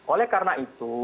oleh karena itu